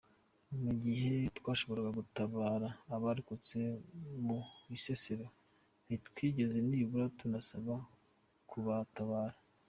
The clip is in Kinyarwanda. Mu gihe twashoboraga gutabara abarokotse mu Bisesero, ntitwigeze nibura tunasaba kubatabara.